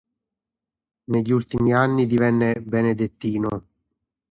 Negli ultimi anni divenne benedettino.